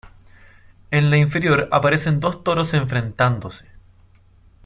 En la inferior aparecen dos toros enfrentándose.